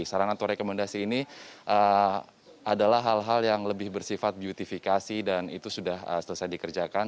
saran atau rekomendasi ini adalah hal hal yang lebih bersifat beautifikasi dan itu sudah selesai dikerjakan